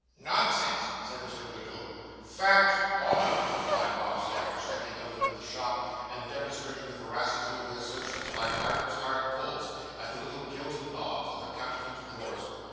'Nonsense!' said Mr. Winkle. 'Fact honour!' returned Bob Sawyer, stepping out into the shop, and demonstrating the veracity of the assertion by divers hard pulls at the little gilt knobs on the counterfeit drawers.